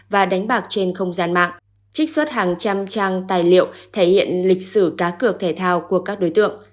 và đánh bạc trên không gian mạng trích xuất hàng trăm trang tài liệu thể hiện lịch sử cá cược thể thao của các đối tượng